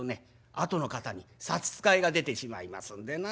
あとの方に差し支えが出てしまいますんでな。